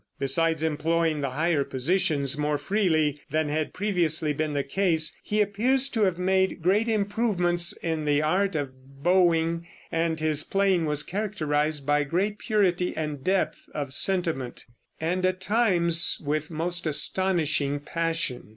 Besides employing the higher positions more freely than had previously been the case, he appears to have made great improvements in the art of bowing, and his playing was characterized by great purity and depth of sentiment, and at times with most astonishing passion.